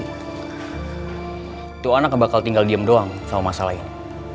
itu anak bakal tinggal diem doang sama masalah ini